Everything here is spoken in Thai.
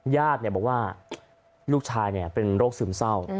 ญาติบอกว่าลูกชายเป็นโรคซึมเศร้า